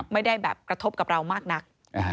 ไม่ได้แบบกระทบกับเรามากนัก